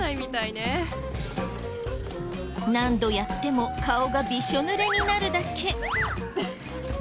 何度やっても顔がびしょぬれになるだけ。